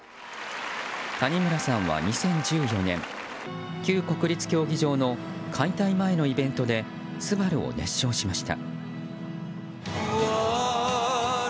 谷村さんは２０１４年旧国立競技場の解体前のイベントで「昴」を熱唱しました。